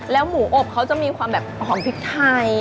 หมูอบเขาจะมีความแบบหอมพริกไทย